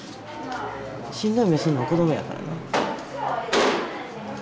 しんどい思いすんのは子どもやからな。